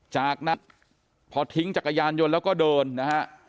จากนั้นพอทิ้งจักรยานยนต์แล้วก็เดินนะฮะ